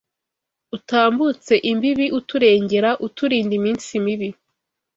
Utambutse imbibi uturengera Uturinda iminsi mibi